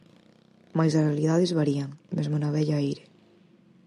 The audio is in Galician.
Mais as realidades varían, mesmo na vella Eire.